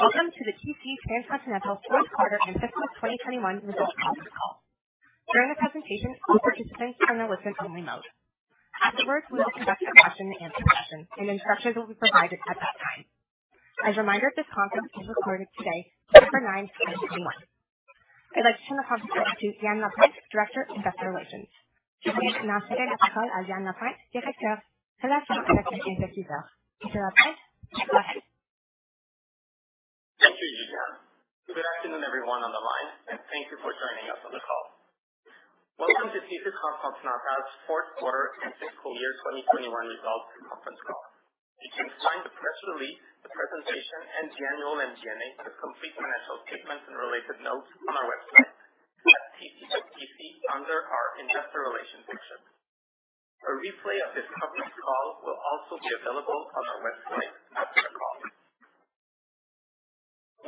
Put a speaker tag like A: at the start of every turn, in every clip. A: Welcome to the TC Transcontinental fourth quarter and fiscal 2021 results conference call. During the presentation, all participants are in listen-only mode. Afterwards, we will conduct a question-and-answer session, and instructions will be provided at that time. As a reminder, this conference is recorded today, December ninth, 2021. I'd like to turn the call over to Yan Lapointe, Director, Investor Relations. Yan Lapointe, go ahead.
B: Thank you, Gina. Good afternoon, everyone on the line, and thank you for joining us on the call. Welcome to TC Transcontinental's fourth quarter and fiscal year 2021 results conference call. You can find the press release, the presentation and general MD&A, the complete financial statements and related notes on our website at tc.tc under our Investor Relations section. A replay of this conference call will also be available on our website after the call.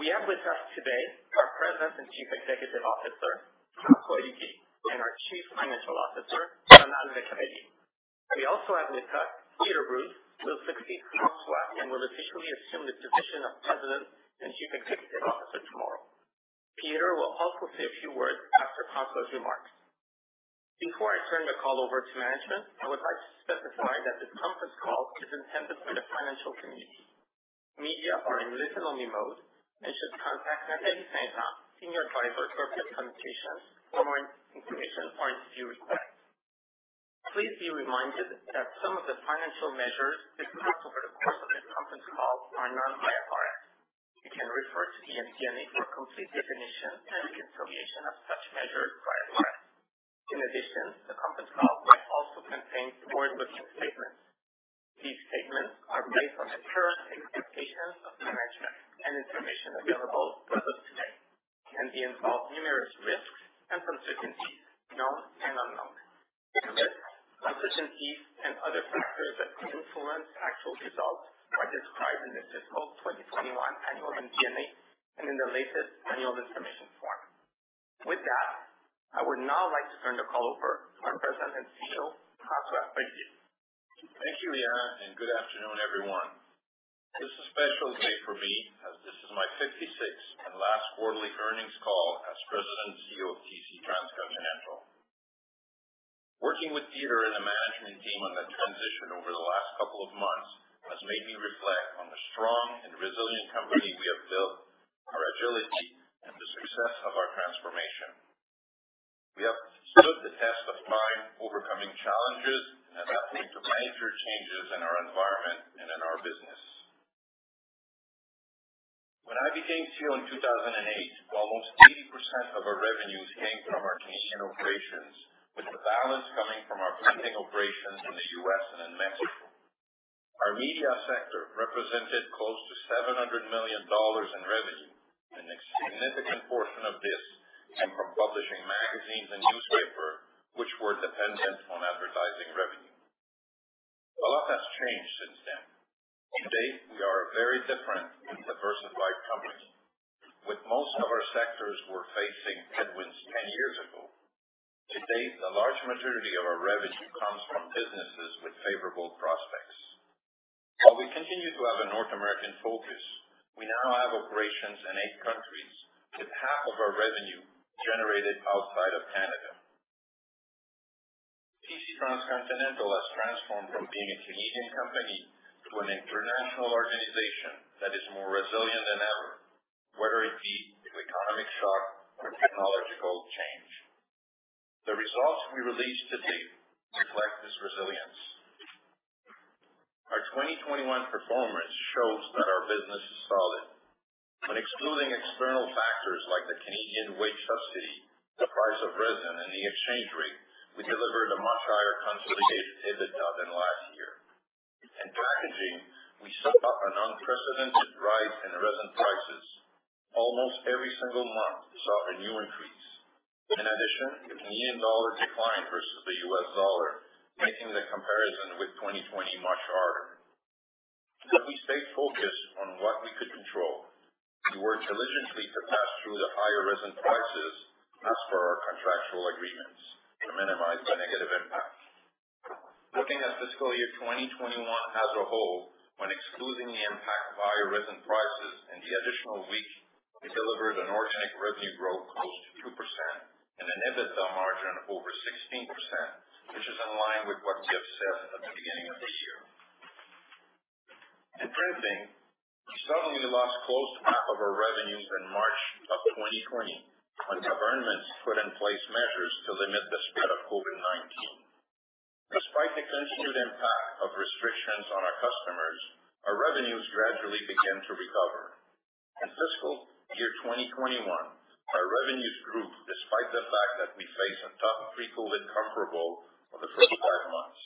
B: We have with us today our President and Chief Executive Officer, François Olivier, and our Chief Financial Officer, Donald LeCavalier. We also have with us Peter Brues, who succeeds François Olivier and will officially assume the position of President and Chief Executive Officer tomorrow. Peter Brues will also say a few words after François Olivier's remarks. Before I turn the call over to management, I would like to specify that this conference call is intended for the financial community. Media are in listen-only mode and should contact Nathalie Fanger, Senior Advisor, Communications, for more information or interview requests. Please be reminded that some of the financial measures discussed over the course of this conference call are non-IFRS. You can refer to the MD&A for a complete definition and reconciliation of such measures by IFRS. In addition, the conference call will also contain forward-looking statements. These statements are based on the current expectations of management and information available to us today and involve numerous risks and uncertainties, known and unknown. These risks, uncertainties and other factors that could influence actual results are described in the fiscal 2021 annual MD&A and in the latest annual information form. With that, I would now like to turn the call over to our President and CEO, François Olivier.
C: Thank you, Liana, and good afternoon, everyone. This is a special day for me as this is my fifty-sixth and last quarterly earnings call as President and CEO of TC Transcontinental. Working with Peter and the management team on the transition over the last couple of months has made me reflect on the strong and resilient company we have built, our agility and the success of our transformation. We have stood the test of time overcoming challenges and adapting to major changes in our environment and in our business. When I became CEO in 2008, almost 80% of our revenues came from our Canadian operations, with the balance coming from our printing operations in the U.S. and in Mexico. Our media sector represented close to 700 million dollars in revenue, and a significant portion of this came from publishing magazines and newspaper which were dependent on advertising revenue. A lot has changed since then. Today, we are a very different and diversified company. With most of our sectors were facing headwinds 10 years ago, today the large majority of our revenue comes from businesses with favorable prospects. While we continue to have a North American focus, we now have operations in 8 countries, with half of our revenue generated outside of Canada. TC Transcontinental has transformed from being a Canadian company to an international organization that is more resilient than ever, whether it be through economic shock or technological change. The results we release today reflect this resilience. Our 2021 performance shows that our business is solid. When excluding external factors like the Canadian wage subsidy, the price of resin, and the exchange rate, we delivered a much higher consolidated EBITDA than last year. In packaging, we saw an unprecedented rise in resin prices. Almost every single month saw a new increase. In addition, the Canadian dollar declined versus the U.S. dollar, making the comparison with 2020 much harder. We stayed focused on what we could control and worked diligently to pass through the higher resin prices as per our contractual agreements to minimize the negative impact. Looking at fiscal year 2021 as a whole, when excluding the impact of higher resin prices and the additional week, we delivered an organic revenue growth close to 2% and an EBITDA margin of over 16%, which is in line with what Tiff said at the beginning of the year. In printing, we suddenly lost close to half of our revenues in March 2020 when governments put in place measures to limit the spread of COVID-19. Despite the continued impact of restrictions on our customers, our revenues gradually began to recover. In fiscal year 2021, our revenues grew despite the fact that we faced a tough three-quarter comparable for the first 5 months.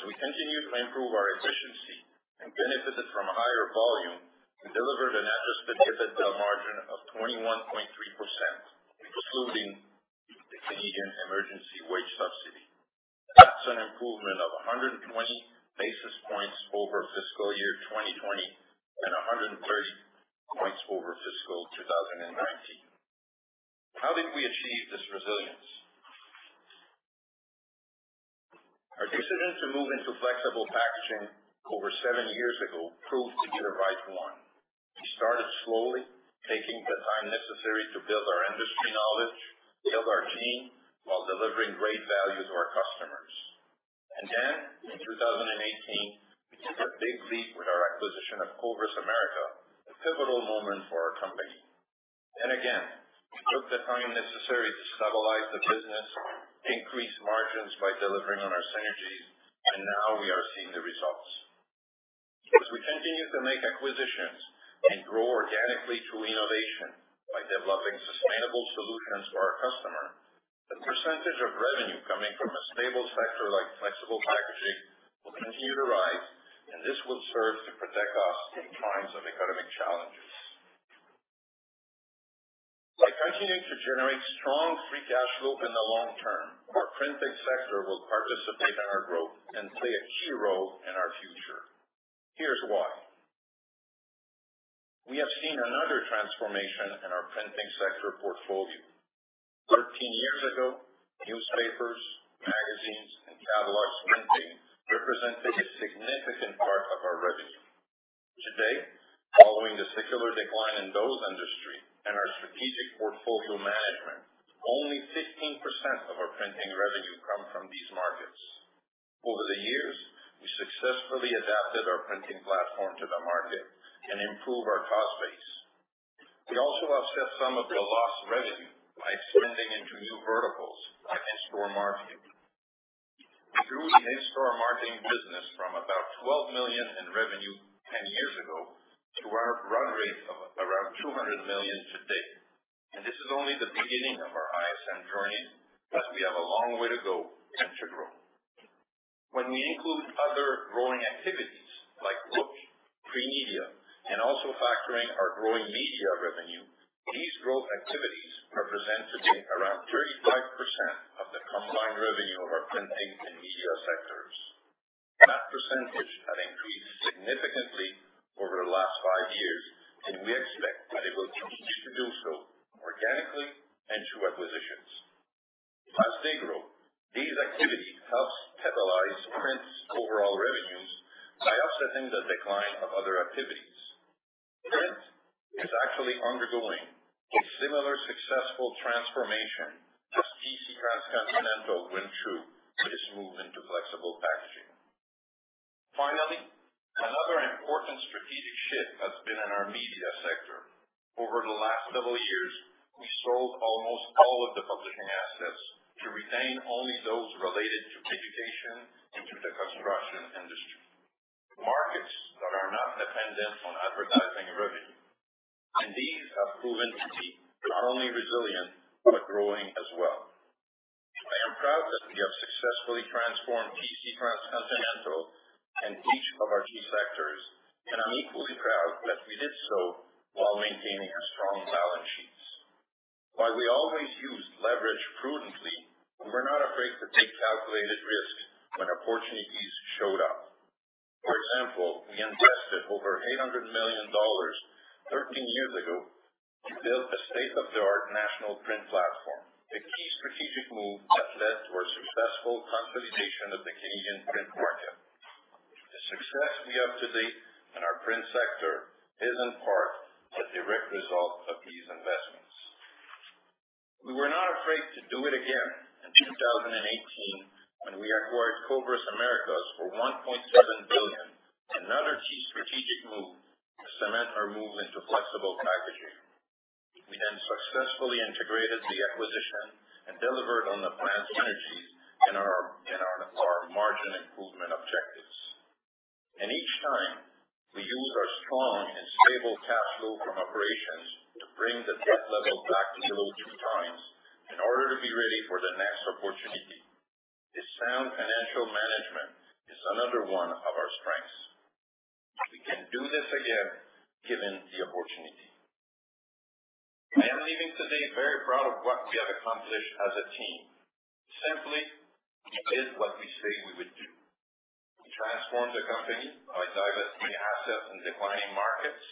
C: We continued to improve our efficiency and benefited from a higher volume and delivered an EBITDA specific margin of 21.3%, excluding the Canada Emergency Wage Subsidy. That's an improvement of 120 basis points over fiscal year 2020 and 130 points over fiscal 2019. How did we achieve this resilience? Our decision to move into flexible packaging over 7 years ago proved to be the right one. We started slowly, taking the time necessary to build our industry knowledge, build our team while delivering great value to our customers. Then in 2018, we took a big leap with our acquisition of Coveris Americas, a pivotal moment for our company. Again, we took the time necessary to stabilize the business, increase margins by delivering on our synergies, and now we are seeing the results. As we continue to make acquisitions and grow organically through innovation, like developing sustainable solutions for our customer, the percentage of revenue coming from a stable sector like flexible packaging will continue to rise, and this will serve to protect us in times of economic challenges. By continuing to generate strong free cash flow in the long term, our printing sector will participate in our growth and play a key role in our future. Here's why. We have seen another transformation in our printing sector portfolio. 13 years ago, newspapers, magazines, and catalog printing represented a significant part of our revenue. Today, following the secular decline in those industries and our strategic portfolio management, only 15% of our printing revenue comes from these markets. Over the years, we successfully adapted our printing platform to the market and improved our cost base. We also offset some of the lost revenue by expanding into new verticals like in-store marketing. We grew the in-store marketing business from about 12 million in revenue 10 years ago to our run rate of around 200 million today. This is only the beginning of our ISM journey, plus we have a long way to go and to grow. When we include other growing activities like books, free media, and also factoring our growing media revenue, these growth activities represent today around 35% of the combined revenue of our printing and media sectors. That percentage had increased significantly over the last 5 years, and we expect that it will continue to do so organically and through acquisitions. As they grow, these activities help stabilize print's overall revenues by offsetting the decline of other activities. Print is actually undergoing a similar successful transformation that TC Transcontinental went through with its move into flexible packaging. Finally, another important strategic shift has been in our media sector. Over the last several years, we sold almost all of the publishing assets to retain only those related to education and to the construction industry, markets that are not dependent on advertising revenue. These have proven to be not only resilient, but growing as well. I am proud that we have successfully transformed TC Transcontinental in each of our key sectors, and I'm equally proud that we did so while maintaining a strong balance sheet. While we always use leverage prudently, we're not afraid to take calculated risks when opportunities showed up. For example, we invested over 800 million dollars 13 years ago to build a state-of-the-art national print platform. A key strategic move that led to our successful consolidation of the Canadian print market. The success we have to date in our print sector is in part the direct result of these investments. We were not afraid to do it again in 2018 when we acquired Coveris Americas for $1.7 billion. Another key strategic move to cement our move into flexible packaging. We then successfully integrated the acquisition and delivered on the planned synergies in our margin improvement objectives. Each time, we use our strong and stable cash flow from operations to bring the debt level back below 2x in order to be ready for the next opportunity. This sound financial management is another one of our strengths. We can do this again, given the opportunity. I am leaving today very proud of what we have accomplished as a team. Simply, we did what we said we would do. We transformed the company by divesting assets in declining markets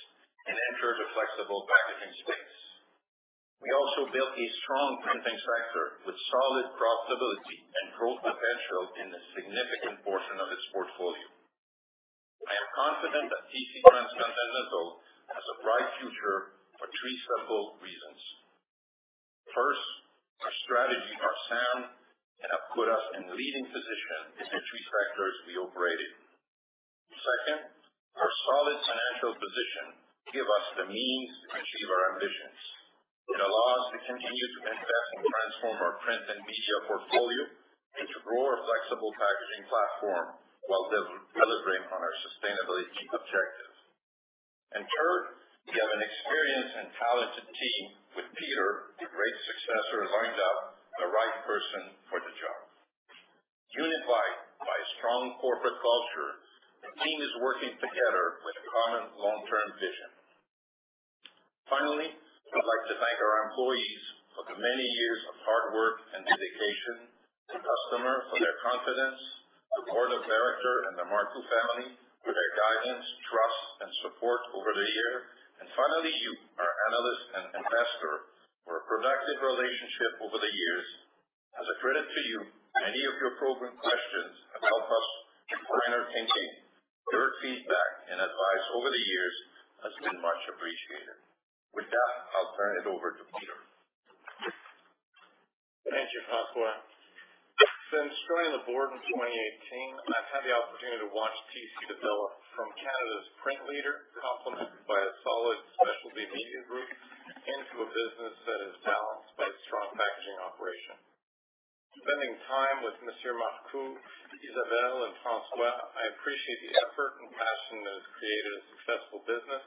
C: and entered the flexible packaging space. We also built a strong printing sector with solid profitability and growth potential in a significant portion of its portfolio. I am confident that TC Transcontinental has a bright future for three simple reasons. First, our strategies are sound and have put us in leading position in the three sectors we operate in. Second, our solid financial position give us the means to achieve our ambitions. It allows us to continue to invest and transform our print and media portfolio and to grow our flexible packaging platform while delivering on our sustainability objectives. Third, we have an experienced and talented team with Peter, a great successor lined up, the right person for the job. Unified by a strong corporate culture, the team is working together with a common long-term vision. Finally, I'd like to thank our employees for the many years of hard work and dedication, the customers for their confidence, the board of director, and the Marcoux family for their guidance, trust, and support over the years. Finally, you, our analysts and investors, for a productive relationship over the years. As a credit to you, many of your probing questions have helped us to further thinking. Your feedback and advice over the years has been much appreciated. With that, I'll turn it over to Peter.
D: Thank you, François. Since joining the board in 2018, I've had the opportunity to watch TC develop from Canada's print leader, complemented by a solid specialty media group into a business that is balanced by a strong packaging operation. Spending time with Monsieur Marcoux, Isabelle, and François, I appreciate the effort and passion that has created a successful business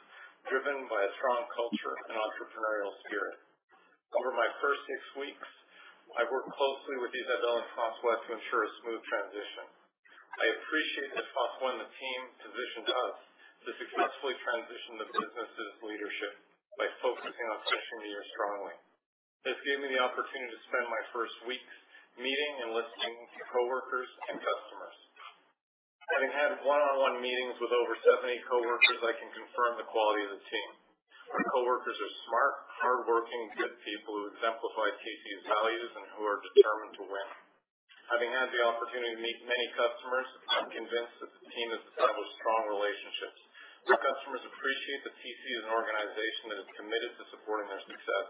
D: driven by a strong culture and entrepreneurial spirit. Over my first six weeks, I worked closely with Isabelle and François to ensure a smooth transition. I appreciate that François and the team positioned us to successfully transition the business' leadership by focusing on finishing the year strongly. This gave me the opportunity to spend my first weeks meeting and listening to coworkers and customers. Having had one-on-one meetings with over 70 coworkers, I can confirm the quality of the team. Our coworkers are smart, hardworking, good people who exemplify TC's values and who are determined to win. Having had the opportunity to meet many customers, I'm convinced that the team has established strong relationships. The customers appreciate that TC is an organization that is committed to supporting their success.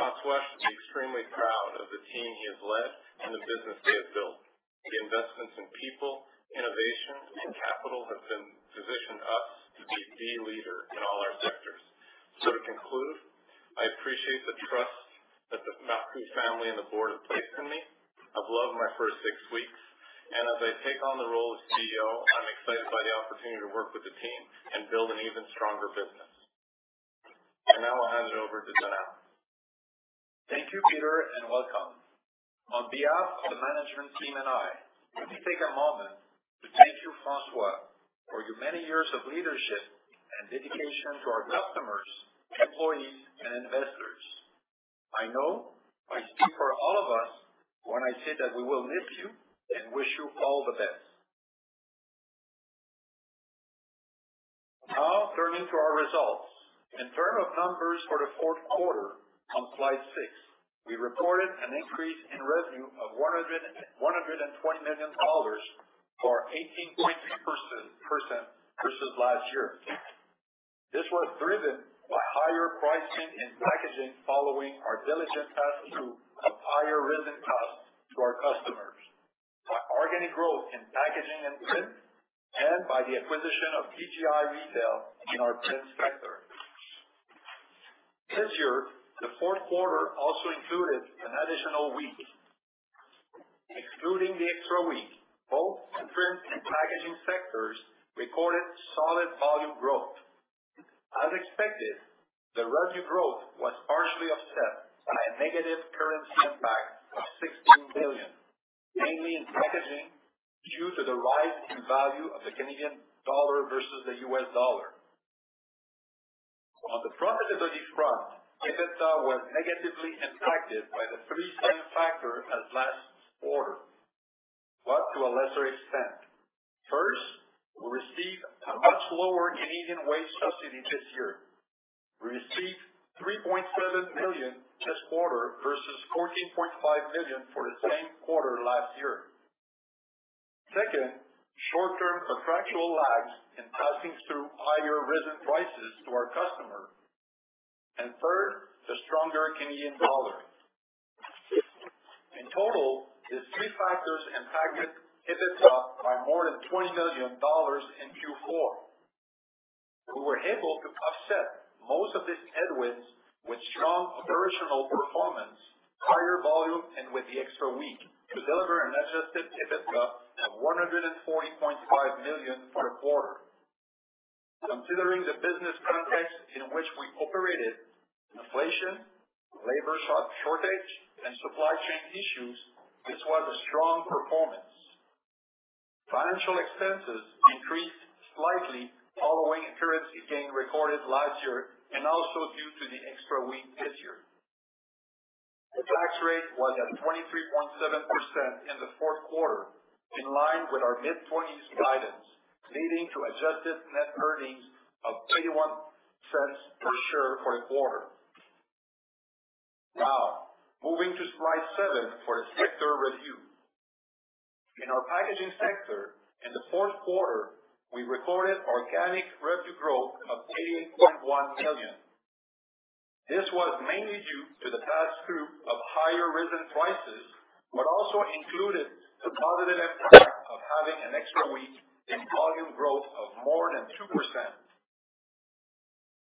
D: François should be extremely proud of the team he has led and the business they have built. The investments in people, innovation, and capital have positioned us to be the leader in all our sectors. To conclude, I appreciate the trust that the Marcoux family and the board have placed in me. I've loved my first six weeks, and as I take on the role of CEO, I'm excited by the opportunity to work with the team and build an even stronger business. Now I'll hand it over to Donald.
E: Thank you, Peter, and welcome. On behalf of the management team and I, let me take a moment to thank you, François, for your many years of leadership and dedication to our customers, employees, and investors. I know I speak for all of us when I say that we will miss you and wish you all the best. Now turning to our results. In terms of numbers for the fourth quarter on slide six, we reported an increase in revenue of CAD 120 million or 18.3% versus last year. This was driven by higher pricing in packaging following our diligent pass-through of higher resin costs to our customers, by organic growth in packaging and print, and by the acquisition of BGI Retail in our Print sector. This year, the fourth quarter also included an additional week. Excluding the extra week, both the Print and Packaging sectors recorded solid volume growth. As expected, the revenue growth was partially offset by a negative currency impact of 16 million, mainly in packaging, due to the rise in value of the Canadian dollar versus the US dollar. On the profitability front, EBITDA was negatively impacted by the three same factors as last quarter, but to a lesser extent. First, we received a much lower Canadian wage subsidy this year. We received 3.7 million this quarter versus 14.5 million for the same quarter last year. Second, short-term contractual lags in passing through higher resin prices to our customer. Third, the stronger Canadian dollar. In total, these three factors impacted EBITDA by more than 20 million dollars in Q4. We were able to offset most of these headwinds with strong operational performance, higher volume, and with the extra week to deliver an adjusted EBITDA of 140.5 million for the quarter. Considering the business context in which we operated, inflation, labor shortage, and supply chain issues, this was a strong performance. Financial expenses increased slightly following a currency gain recorded last year and also due to the extra week this year. The tax rate was at 23.7% in the fourth quarter, in line with our mid-twenties guidance, leading to adjusted net earnings of 0.31 per share for the quarter. Now, moving to slide seven for the sector review. In our Packaging sector, in the fourth quarter, we recorded organic revenue growth of 80.1 million. This was mainly due to the pass-through of higher resin prices, but also included the positive impact of having an extra week in volume growth of more than 2%.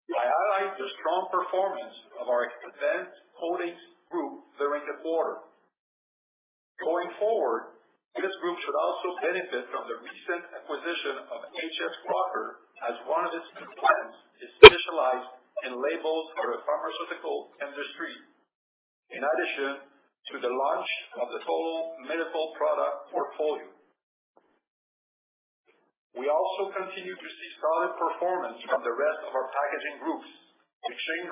E: I highlight the strong performance of our advanced coatings group during the quarter. Going forward, this group should also benefit from the recent acquisition of H.S. Crocker as one of its new clients is specialized in labels for the pharmaceutical industry. In addition to the launch of the total medical product portfolio. We also continue to see solid performance from the rest of our packaging groups. Exchange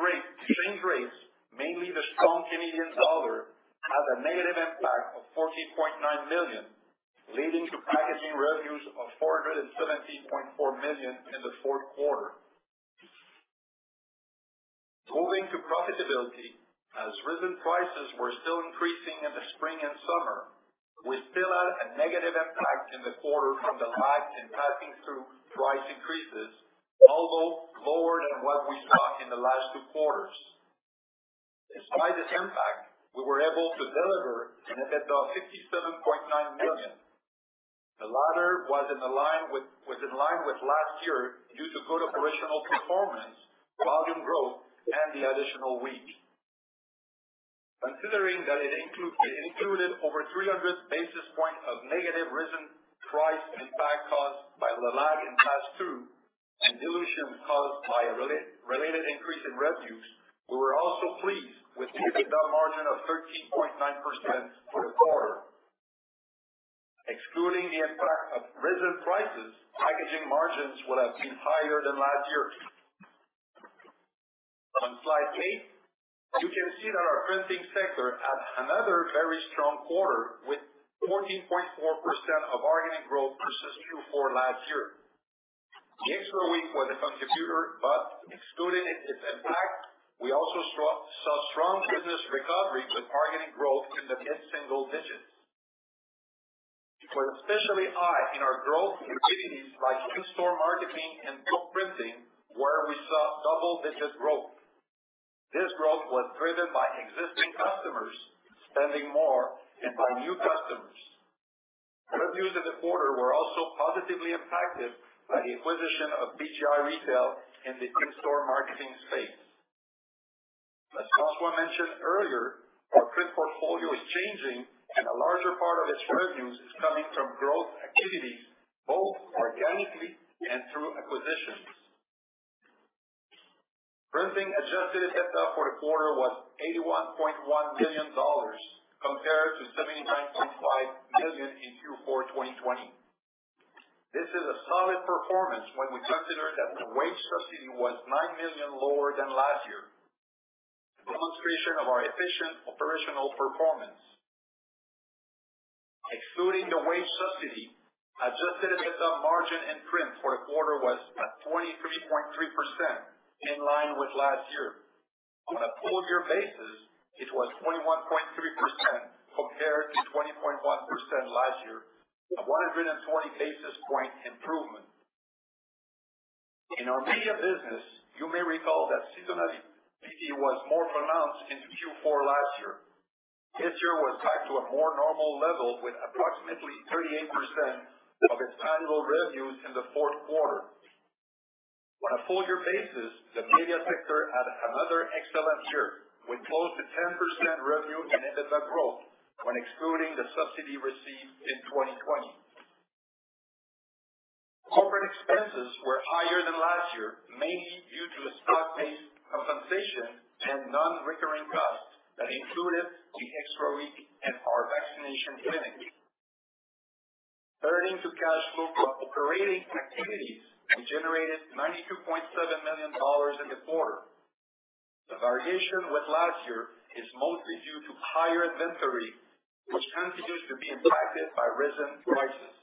E: rates, mainly the strong Canadian dollar, had a negative impact of 14.9 million, leading to packaging revenues of 417.4 million in the fourth quarter. Moving to profitability. As resin prices were still increasing in the spring and summer, we still had a negative impact in the quarter from the lag in passing through price increases, although lower than what we saw in the last two quarters. Despite this impact, we were able to deliver an EBITDA of 67.9 million. The latter was in line with last year due to good operational performance, volume growth, and the additional week. Considering that it included over 300 basis points of negative resin price impact caused by the lag in pass-through and dilution caused by a related increase in revenues, we were also pleased with the EBITDA margin of 13.9% for the quarter. Excluding the impact of resin prices, packaging margins would have been higher than last year's. On slide 8, you can see that our Printing sector had another very strong quarter, with 14.4% organic growth versus Q4 last year. The extra week was a contributor, but excluding its impact, we also saw strong business recovery with organic growth in the mid-single digits. It was especially high in our growth activities like in-store marketing and book printing, where we saw double-digit growth. This growth was driven by existing customers spending more and by new customers. Revenues in the quarter were also positively impacted by the acquisition of BGI Retail in the in-store marketing space. As François mentioned earlier, our print portfolio is changing and a larger part of its revenues is coming from growth activities, both organically and through acquisitions. Printing adjusted EBITDA for the quarter was CAD 81.1 million compared to 79.5 million in Q4 2020. This is a solid performance when we consider that the wage subsidy was 9 million lower than last year. Demonstration of our efficient operational performance. Excluding the wage subsidy, adjusted EBITDA margin in Print for the quarter was at 23.3%, in line with last year. On a full year basis, it was 21.3% compared to 20.1% last year, a 120 basis point improvement. In our Media business, you may recall that seasonality, it was more pronounced in Q4 last year. This year was back to a more normal level with approximately 38% of its annual revenues in the fourth quarter. On a full year basis, the Media sector had another excellent year with close to 10% revenue and EBITDA growth when excluding the subsidy received in 2020. Corporate expenses were higher than last year, mainly due to stock-based compensation and non-recurring costs that included the extra week and our vaccination clinic. Turning to cash flow from operating activities, we generated 92.7 million dollars in the quarter. The variation with last year is mostly due to higher inventory, which continues to be impacted by resin prices.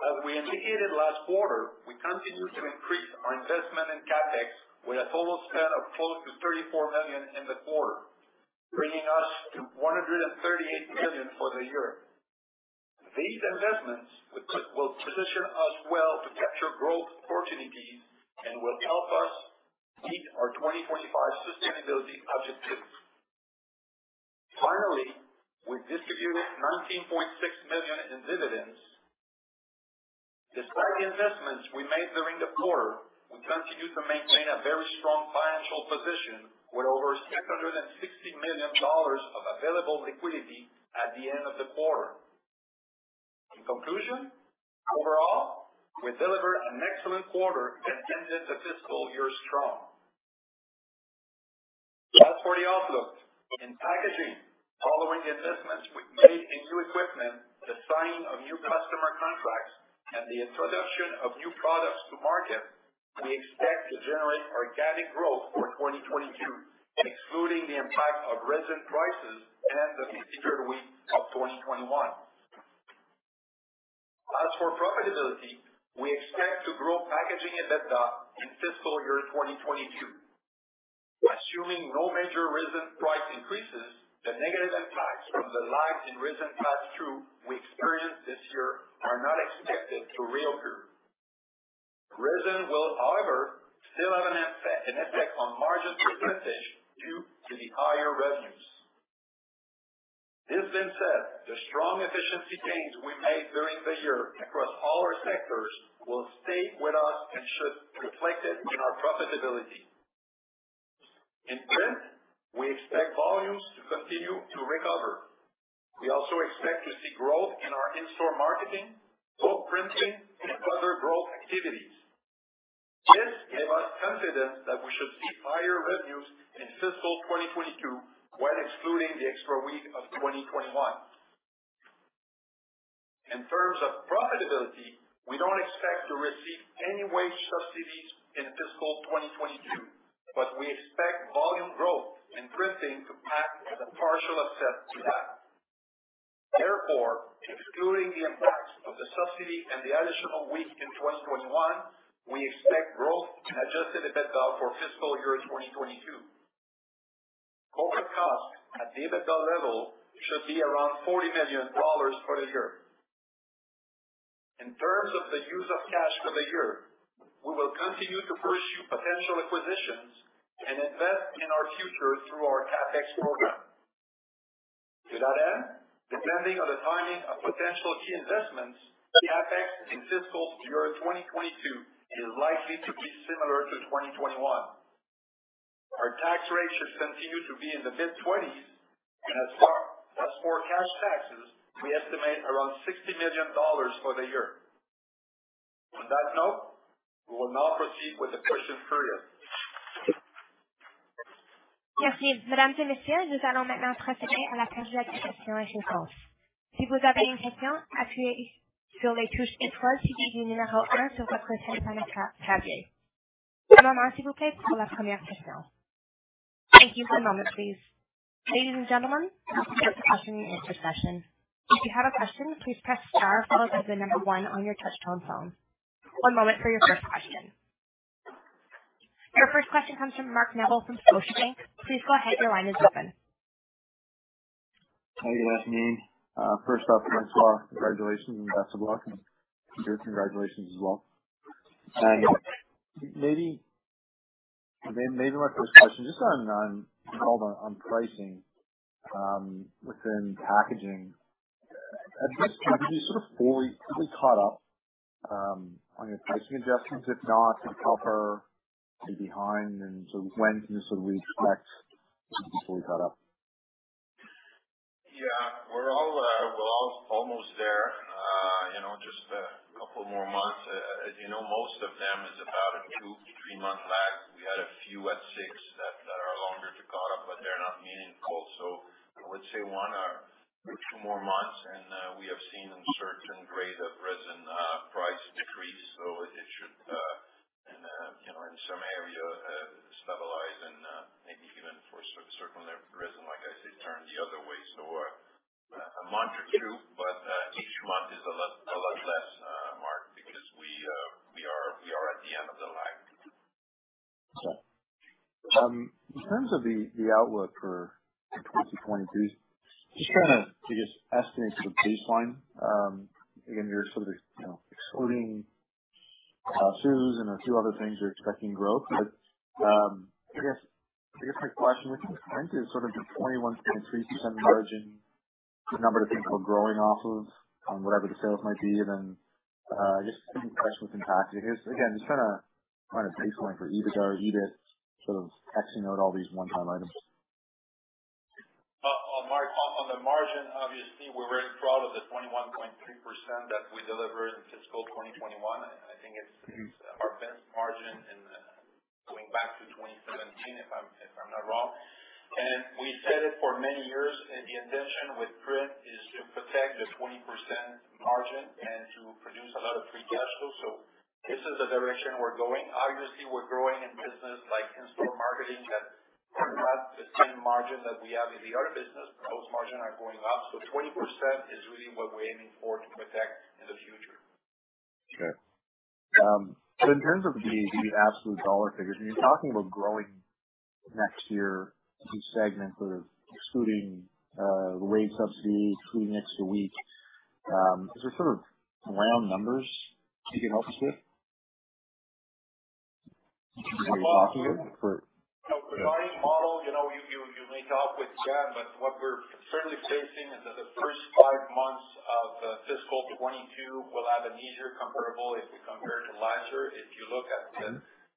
E: As we indicated last quarter, we continue to increase our investment in CapEx with a total spend of close to 34 million in the quarter, bringing us to 138 million for the year. These investments will position us well to capture growth opportunities and will help us meet our 2045 sustainability objectives. Finally, we distributed 19.6 million in dividends. Despite the investments we made during the quarter, we continue to maintain a very strong financial position with over 660 million dollars of available liquidity at the end of the quarter. In conclusion, overall, we delivered an excellent quarter and ended the fiscal year strong. As for the outlook, in Packaging, following the investments we've made in new equipment, the signing of new customer contracts, and the introduction of new products to market, we expect to generate organic growth for 2022, excluding the impact of resin prices and the 53rd week of 2021. As for profitability, we expect to grow Packaging EBITDA in fiscal year 2022. Assuming no major resin price increases, the negative impacts from the lag in resin pass-through we experienced this year are not expected to reoccur. Resin will, however, still have an effect on margin percentage due to the higher revenues. This being said, the strong efficiency gains we made during the year across all our sectors will stay with us and should be reflected in our profitability. In print, we expect volumes to continue to recover. We also expect to see growth in our in-store marketing, book printing, and other growth activities. This gave us confidence that we should see higher revenues in fiscal 2022 while excluding the extra week of 2021. In terms of profitability, we don't expect to receive any wage subsidies in fiscal 2022, but we expect volume growth in printing to act as a partial offset to that. Therefore, excluding the impact of the subsidy and the additional week in 2021, we expect growth in adjusted EBITDA for fiscal year 2022. Corporate costs at the EBITDA level should be around 40 million dollars for the year. In terms of the use of cash for the year, we will continue to pursue potential acquisitions and invest in our future through our CapEx program. To that end, depending on the timing of potential key investments, CapEx in fiscal year 2022 is likely to be similar to 2021. Our tax rate should continue to be in the mid-20s, and as far as for cash taxes, we estimate around 60 million dollars for the year. On that note, we will now proceed with the question period.
A: Thank you. One moment, please. Ladies and gentlemen, welcome to the question and answer session. If you have a question, please press star followed by the number one on your touchtone phone. One moment for your first question. Your first question comes from Mark Neville from Scotiabank. Please go ahead. Your line is open.
F: Hi, good afternoon. First off, François, congratulations and best of luck, and Peter, congratulations as well. Maybe my first question just on François, on pricing within packaging. At this point, have you sort of fully totally caught up on your pricing adjustments? If not, how far are you behind, and so when can we sort of expect to be fully caught up?
E: Yeah. We're all almost there. You know, just a couple more months. As you know, most of them is about a 2-3-month lag. We had a few at 6 that are longer to catch up, but they're not meaningful. I would say 1 or 2 more months. We have seen a certain grade of resin price decrease, so it should and you know, in some area, stabilize and maybe even for certain resin, like I say, turn the other way. A month or 2, but each month is a lot less, Mark, because we are at the end of the lag.
F: Sure. In terms of the outlook for 2022, just trying to just estimate some baseline. Again, you're sort of, you know, excluding SUZE and a few other things, you're expecting growth. I guess my question with print is sort of the 21.3% margin, the number that people are growing off of on whatever the sales might be. Just pricing within packaging. I guess, again, just trying to find a baseline for EBITDA, EBIT, sort of exing out all these one-time items.
E: Mark, on the margin, obviously, we're very proud of the 21.3% that we delivered in fiscal 2021. I think it's our best margin in going back to 2017, if I'm not wrong. We said it for many years, the intention with print is to protect the 20% margin and to produce a lot of free cash flow. This is the direction we're going. Obviously, we're growing in businesses like in-store marketing that are not the same margin that we have in the other business. Those margins are going up. Twenty percent is really what we're aiming for to protect in the future.
F: Okay. In terms of the absolute dollar figures, when you're talking about growing next year in segments that are excluding the wage subsidy, excluding the extra week, is there sort of round numbers you can help us with?
E: For what? Our pricing model, you know, you may talk with Yan, but what we're currently facing is that the first 5 months of fiscal 2022 will have an easier comparable if we compare to last year. If you look at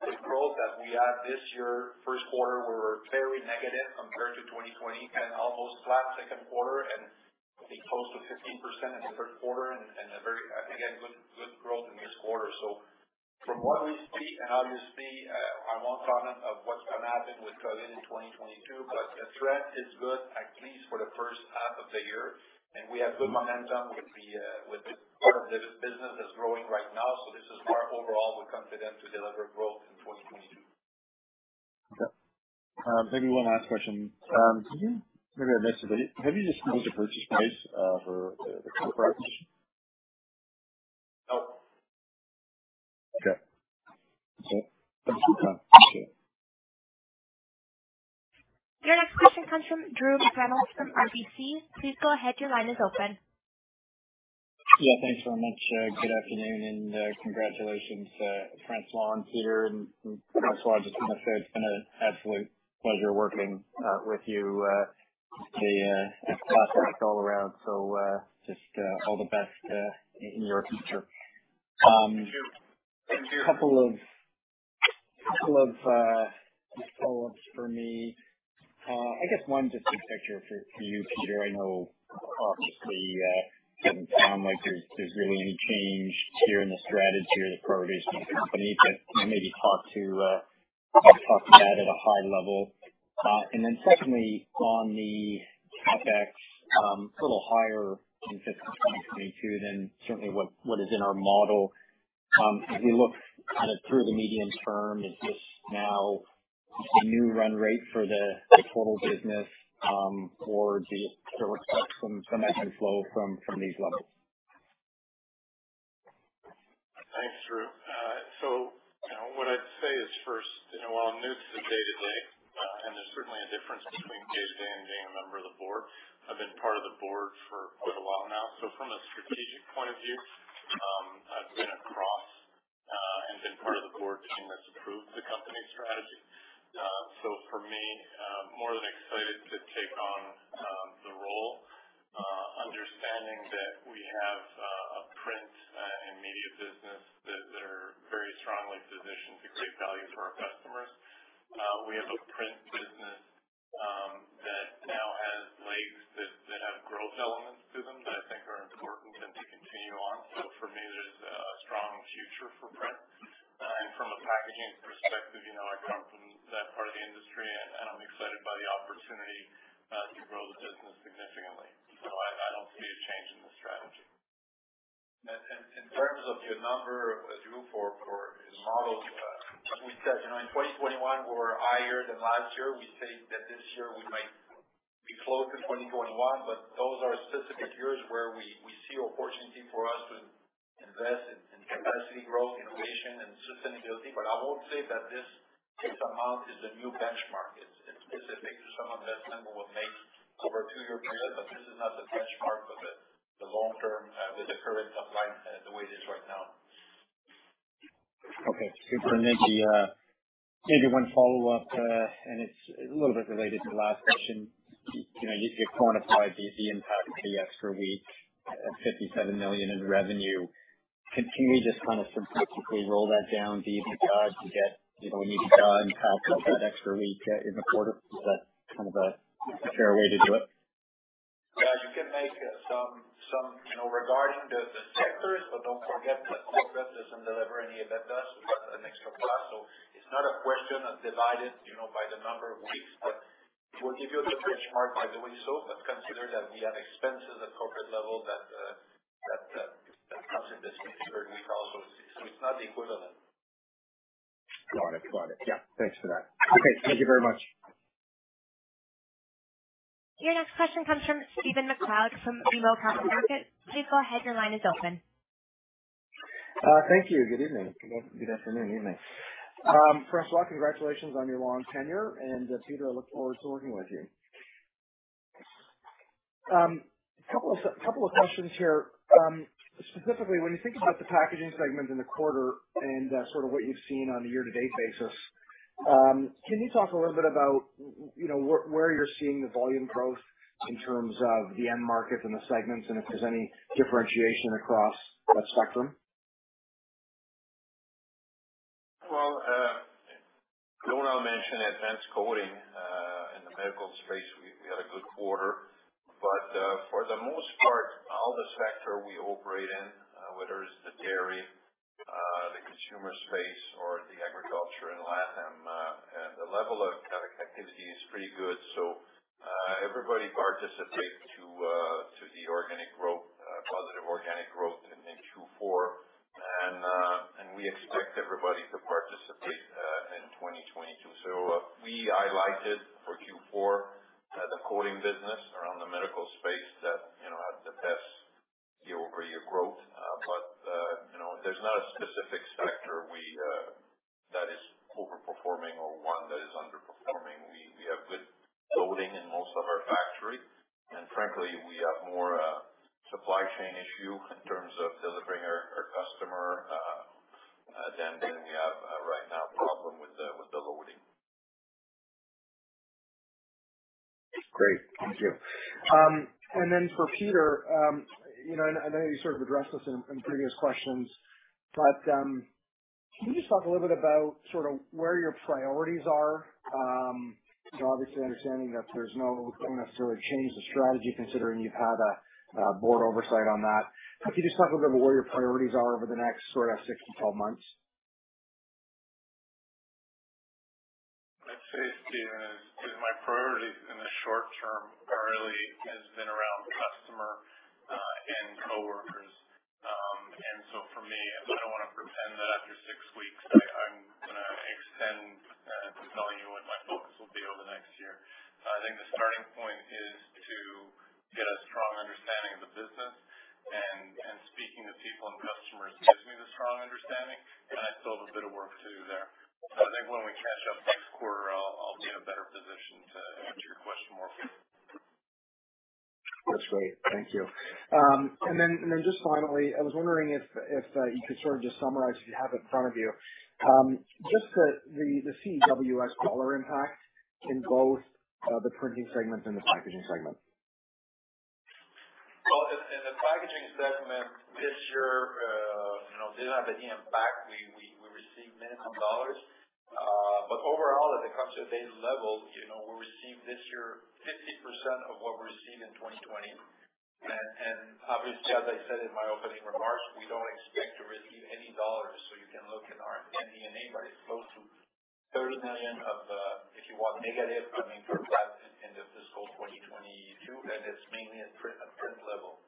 E: the growth that we had this year, first quarter were very negative compared to 2020 and almost flat second quarter and I think close to 15% in the third quarter and a very good growth in this quarter. From what we see and obviously I won't comment on what's gonna happen with COVID in 2022, but the trend is good, at least for the first half of the year. We have good momentum with the part of the business that's growing right now. This is our overall. We're confident to deliver growth in 2022.
F: Okay. Maybe one last question. Maybe I missed it, but have you disclosed the purchase price for the Colour-Press?
E: No.
F: Okay. Thanks for your time. Appreciate it.
A: Your next question comes from Drew McReynolds from RBC. Please go ahead. Your line is open.
G: Yeah, thanks very much. Good afternoon and congratulations, François and Peter and François, just wanna say it's been an absolute pleasure working with you at Cascades all around. Just all the best in your future. A couple of just follow-ups for me. I guess one just big picture for you, Peter. I know obviously it doesn't sound like there's really any change here in the strategy or the priorities of the company. Can you maybe talk to that at a high level? Secondly, on the CapEx, it's a little higher in FY 2022 than certainly what is in our model. As we look kind of through the medium term, is this now a new run rate for the total business, or do you still expect some ebb and flow from these levels?
D: Thanks, Drew. You know, what I'd say is first, you know, while I'm new to the day-to-day, and there's certainly a difference between day-to-day and being a member of the board, I've been part of the board for quite a while now. From a strategic point of view, I've been across, and been part of the board team that's approved the company strategy. For me, I'm more than excited to take on the role, understanding that we have a print and media business that are very strongly positioned to create value for our customers. We have a print business that now has legs that have growth elements to them that I think are important and to continue on. For me, there's a strong future for print. From a packaging perspective, you know, I come from that part of the industry and I'm excited by the opportunity to grow the business significantly. I don't see a change in the strategy.
E: In terms of your number, Drew, for the model, as we said, you know, in 2021 we're higher than last year. We say that this year we might be close to 2021, but those are specific years where we see opportunity for us to invest in capacity growth, innovation and sustainability. I won't say that this amount is a new benchmark. It's specific to some investment we will make over a two-year period, this is not the benchmark of the long term with the current supply and the way it is right now.
G: Okay. Super. Maybe, maybe one follow-up, and it's a little bit related to the last question. You know, you've quantified the impact of the extra week at 57 million in revenue. Can you just kind of simplistically roll that down to EBITDA to get, you know, an EBITDA impact of that extra week in the quarter? Is that kind of a fair way to do it?
E: Yeah. You can make some, you know, regarding the sectors, but don't forget that corporate doesn't deliver any EBITDA. It's an extra plus. It's not a question of dividing, you know, by the number of weeks, but we'll give you the benchmark by doing so, but consider that we have expenses at corporate level that comes in the fiscal third week also. It's not equivalent.
G: Got it. Yeah. Thanks for that. Okay. Thank you very much.
A: Your next question comes from Stephen MacLeod from BMO Capital Markets. Please go ahead. Your line is open.
H: Thank you. Good evening. Well, good afternoon. Evening. First of all, congratulations on your long tenure. Peter, I look forward to working with you. Couple of questions here. Specifically, when you think about the packaging segment in the quarter and sort of what you've seen on a year to date basis, can you talk a little bit about where you're seeing the volume growth in terms of the end markets and the segments, and if there's any differentiation across that spectrum?
E: Well, Lionel mentioned advanced coating in the medical space. We had a good quarter, but for the most part, all the sectors we operate in, whether it's the dairy, the consumer space or the agriculture and Latin America, the level of economic activity is pretty good. Everybody participated to the organic growth, positive organic growth in Q4. We expect everybody to participate in 2022. We highlighted for Q4 the coating business around the medical space that, you know, had the best year-over-year growth. But you know, there's not a specific sector that is overperforming or one that is underperforming. We have good loading in most of our factory, and frankly, we have more supply chain issue in terms of delivering our customer than we have right now problem with the loading.
H: Great. Thank you. For Peter, you know, and I know you sort of addressed this in previous questions, but, can you just talk a little bit about sort of where your priorities are? You know, obviously understanding that don't necessarily change the strategy considering you've had a board oversight on that. Can you just talk a little bit about where your priorities are over the next sort of 6-12 months?
D: I'd say, Stephen, is my priorities in the short term primarily has been around customers and coworkers. For me, I'm gonna want to present that after six weeks, I'm gonna intend telling you what my focus will be over the next year. I think the starting point is to get a strong understanding of the business and speaking to people and customers gives me the strong understanding, and I still have a bit of work to do there. I think when we catch up next quarter, I'll be in a better position to answer your question more fully.
H: That's great. Thank you. Just finally, I was wondering if you could sort of just summarize if you have it in front of you, just the CEWS dollar impact in both the printing segment and the packaging segment.
E: Well, in the packaging segment this year, you know, didn't have any impact. We received millions of dollars. Overall, at the customer base level, you know, we received this year 50% of what we received in 2020. Obviously, as I said in my opening remarks, we don't expect to receive any dollars, so you can look in our MD&A, but it's close to 30 million of, if you want negative, I mean, for flat in fiscal 2022, and it's mainly at print level.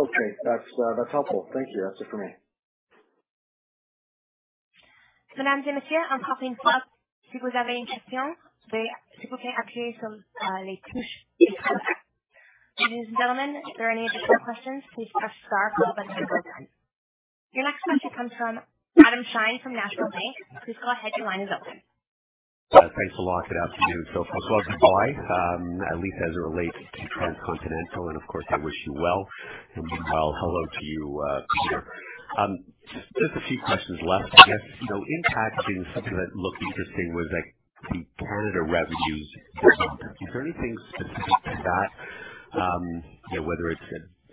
F: Okay. That's helpful. Thank you. That's it for me.
A: Ladies and gentlemen, if there are any additional questions, please press star followed by the pound sign. Your next question comes from Adam Shine from National Bank. Please go ahead. Your line is open.
I: Thanks a lot. Good afternoon. First of all, goodbye, at least as it relates to Transcontinental, and of course, I wish you well. Meanwhile, hello to you, Peter Brues. Just a few questions left, I guess. You know, one thing that looked interesting was, like, the Canadian revenues for printing. Is there anything specific to that? You know, whether it's,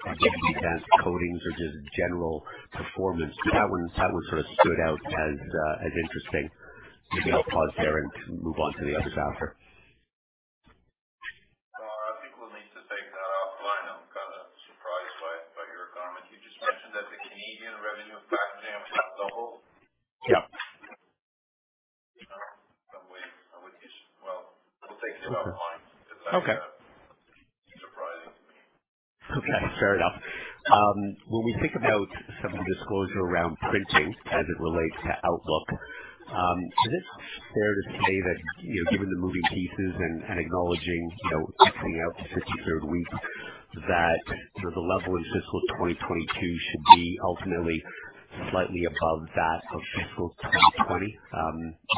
I: again, because coatings or just general performance, but that one sort of stood out as interesting. Maybe I'll pause there and move on to the other topic.
E: I think we'll need to take that offline. I'm kind of surprised by your comment. You just mentioned that the Canadian revenue of packaging doubled.
I: Yeah.
E: Well, we'll take it offline.
I: Okay.
E: Because I'm surprising.
I: Okay. Fair enough. When we think about some of the disclosure around printing as it relates to outlook, is it fair to say that, you know, given the moving pieces and acknowledging, you know, exiting out the 53rd week, that, you know, the level in fiscal 2022 should be ultimately slightly above that of fiscal 2020?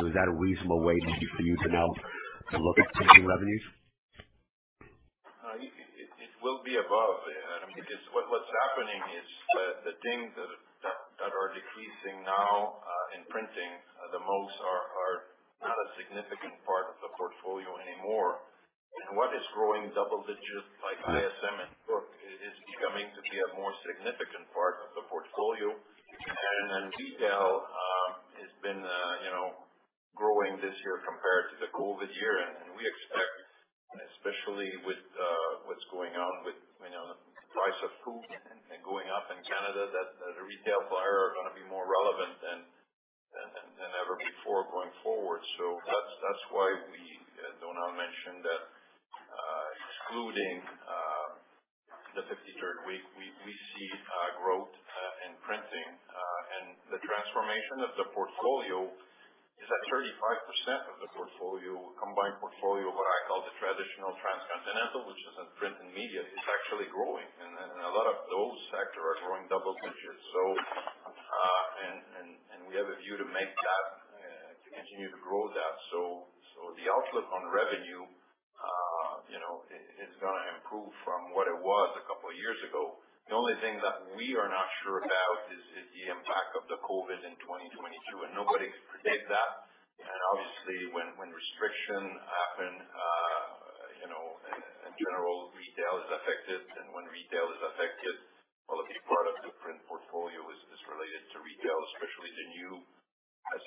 I: Is that a reasonable way maybe for you to now look at printing revenues?
E: It will be above. I mean, it's what's happening is the things that are decreasing now in printing the most are not a significant part of the portfolio anymore. What is growing double digits like ISM and book is coming to be a more significant part of the portfolio. Then retail has been, you know, growing this year compared to the COVID year. We expect, especially with what's going on with, you know, the price of food and going up in Canada that the retail buyer are gonna be more relevant than ever before going forward. That's why we, Donald mentioned that, excluding the 53rd week, we see growth in printing. The transformation of the portfolio is that 35% of the portfolio, combined portfolio, what I call the traditional Transcontinental, which is in print and media, is actually growing. A lot of those sector are growing double digits. We have a view to make that to continue to grow that. The outlook on revenue, you know, it is gonna improve from what it was a couple years ago. The only thing that we are not sure about is the impact of the COVID-19 in 2022, and nobody could predict that. Obviously, when restriction happen, you know, in general, retail is affected. When retail is affected, well, a big part of the print portfolio is related to retail, especially the new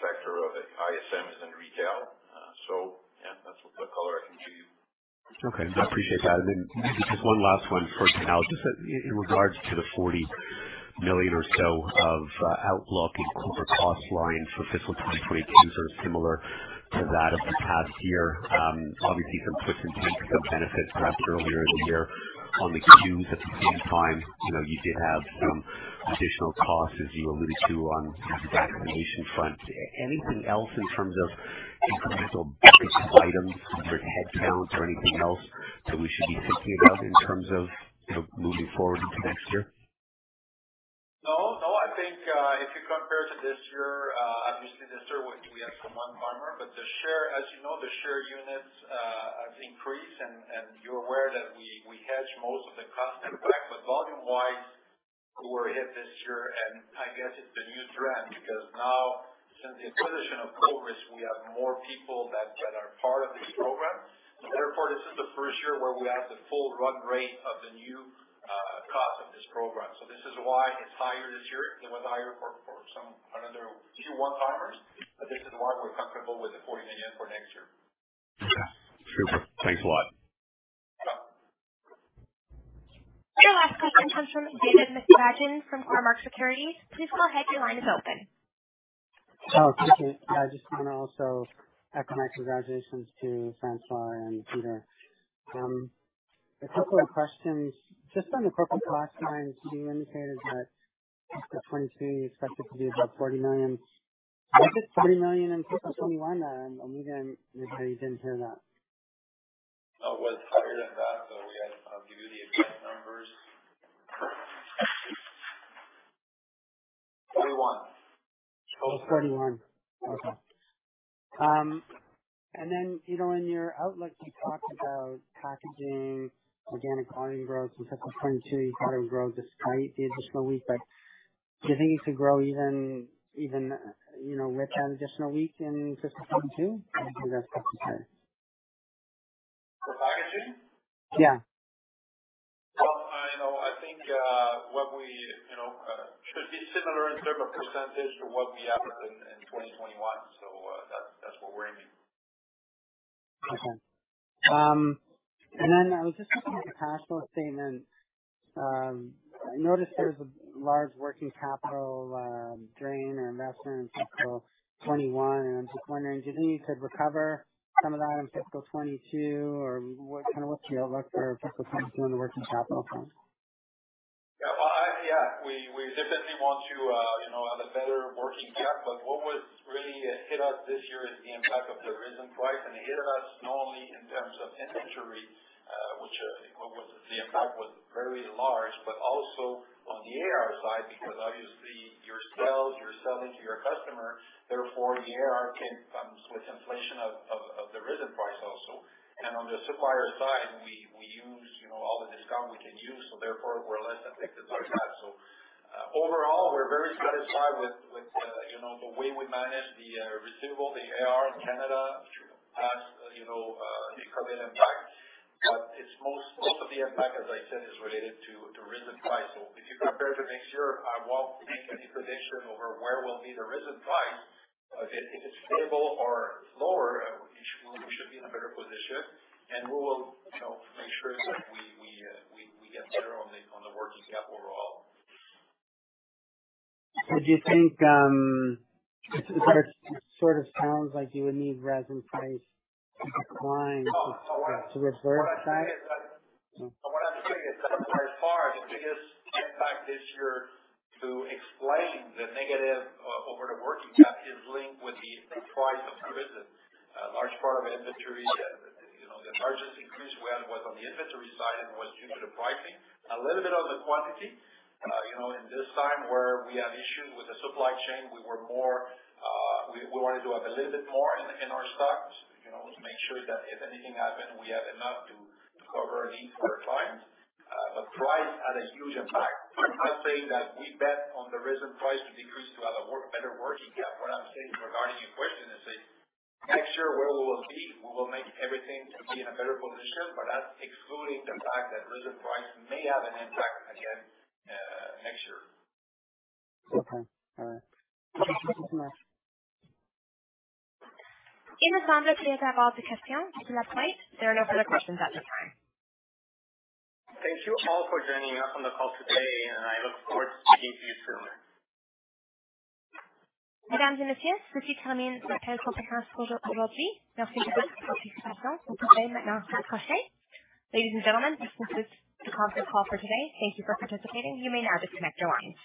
E: sector of ISM is in retail. Yeah, that's the color I can give you.
I: Okay. I appreciate that. Maybe just one last one for now. Just in regards to the 40 million or so of outlook in corporate cost line for fiscal 2022, sort of similar to that of the past year. Obviously some puts and takes of benefits perhaps earlier in the year on the Q's. At the same time, you know, you did have some additional costs as you alluded to on the vaccination front. Anything else in terms of incremental buckets, items for headcount or anything else that we should be thinking about in terms of, you know, moving forward into next year?
E: No, no. I think if you compare to this year, obviously this year we had some one-timers, but the share, as you know, the share units have increased and you're aware that we hedge most of the custom back. But volume-wise, we were hit this year, and I guess it's the new trend because now since the acquisition of Coveris, we have more people that are part of the program. Therefore, this is the first year where we have the full run rate of the new cost of this program. So this is why it's higher this year. It was higher for some. Another few one-timers, but this is why we're comfortable with 40 million for next year.
I: Yeah. Super. Thanks a lot.
E: Yeah.
A: Our last question comes from David McFadgen from Cormark Securities. Please go ahead. Your line is open.
J: Oh, thank you. I just wanna also echo my congratulations to François and Peter. A couple of questions. Just on the corporate cost line, you indicated that fiscal 2022, you expect it to be about 40 million. Was it 40 million in fiscal 2021? Maybe I didn't hear that.
E: It was higher than that, but I'll give you the exact numbers. 21.
J: Oh, 21. Okay. You know, in your outlook, you talked about packaging organic volume growth in fiscal 2022. You thought it would grow despite the additional week, but do you think you could grow even, you know, with an additional week in fiscal 2022? Or do you think that's
E: For volume?
J: Yeah.
E: Well, I know, I think, what we, you know, should be similar in terms of percentage to what we have in 2021. That's what we're aiming.
J: Okay. I was just looking at the cash flow statement. I noticed there's a large working capital drain or investment in fiscal 2021, and I'm just wondering, do you think you could recover some of that in fiscal 2022 or what? Kinda, what's the outlook for fiscal 2022 on the working capital front?
E: Yeah. Well, we definitely want to, you know, have a better working capital. What really hit us this year is the impact of the resin price. It hit us not only in terms of inventory, which the impact was very large, but also on the AR side because obviously your sales, you're selling to your customer, therefore the AR comes with inflation of the resin price also. On the supplier side, we use, you know, all the discounts we can use, so therefore we're less impacted by that. Overall, we're very satisfied with, you know, the way we manage the receivables, the AR in Canada, you know, has recovered. Most of the impact, as I said, is related to resin price. If you compare to next year, I won't make any prediction over where will be the resin price. If it is stable or lower, we should be in a better position and we will, you know, make sure that we get better on the working cap overall.
J: Do you think it sort of sounds like you would need resin price to decline?
E: Oh, no.
J: to reverse that?
E: What I'm saying is that by far the biggest impact this year to explain the negative over the working cap is linked with the price of resin. A large part of inventory, you know, the largest increase we had was on the inventory side and was due to the pricing. A little bit of the quantity. You know, in this time where we have issues with the supply chain, we were more, we wanted to have a little bit more in our stocks, you know, to make sure that if anything happen, we have enough to cover the need for our clients. But price had a huge impact. I'm not saying that we bet on the resin price to decrease to have a better working cap. What I'm saying regarding your question is say, next year, where we will be, we will make everything to be in a better position, but that's excluding the fact that resin price may have an impact again, next year.
J: Okay. All right. Thank you so much.
A: There are no further questions at this time.
E: Thank you all for joining us on the call today, and I look forward to speaking to you soon.
A: Ladies and gentlemen, this concludes the conference call for today. Thank you for participating. You may now disconnect your lines.